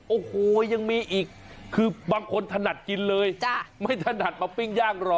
โอ้โหยังมีอีกคือบางคนถนัดกินเลยไม่ถนัดมาปิ้งย่างรอ